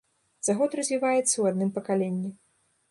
За год развіваецца ў адным пакаленні.